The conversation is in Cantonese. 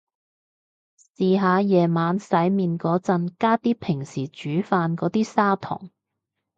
試下夜晚洗面個陣加啲平時煮飯個啲砂糖